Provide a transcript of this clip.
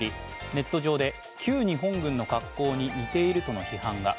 ネット上で、旧日本軍の格好に似ているとの批判が。